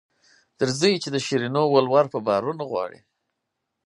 درځئ چې د شیرینو ولور په بارونو غواړي.